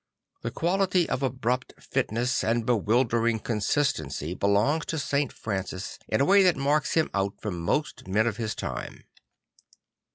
This quality of abrupt fitness and bewildering consistency belongs to St. Francis 94 'Ihe Little Poor Man 95 in a way that marks him out from most men of his time.